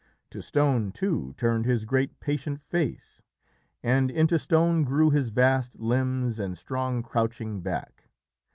To stone, too, turned his great, patient face, and into stone grew his vast limbs and strong, crouching back.